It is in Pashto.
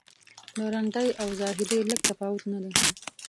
د رندۍ او زاهدۍ لږ تفاوت نه دی.